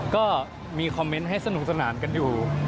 ก็มีคอมเมนต์ให้สนุกสนานกันอยู่